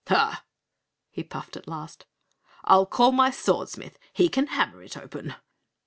"Ha!" he puffed at last, "I'll call my Swordsmith! He can hammer it open!"